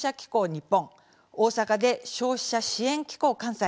日本大阪で消費者支援機構関西。